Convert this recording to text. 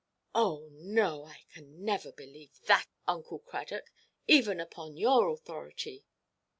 "Oh no; I can never believe that, Uncle Cradock, even upon your authority."